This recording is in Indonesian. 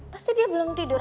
pasti dia belum tidur